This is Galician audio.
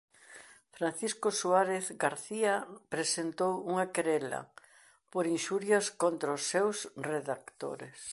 Francisco Suárez García presentou unha querela por inxurias contra os seus redactores.